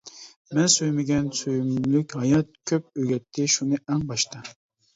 مەن سۆيمىگەن سۆيۈملۈك ھايات، كۆپ ئۆگەتتى شۇنى ئەڭ باشتا.